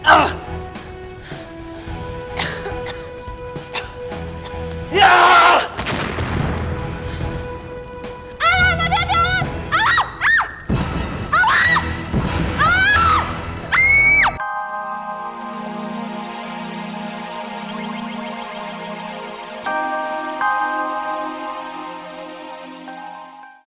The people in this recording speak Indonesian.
aku inggir dulu